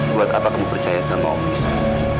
buat apa kamu percaya sama om yusuf